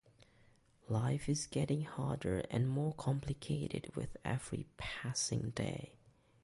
Life is getting harder and more complicated with every passing day.